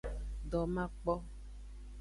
Domakpo.